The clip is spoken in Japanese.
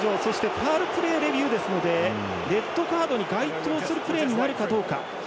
ファウルプレーレビューですのでレッドカードに該当するプレーになるかどうか。